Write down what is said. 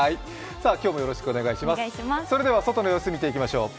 それでは外の様子を見ていきましょう。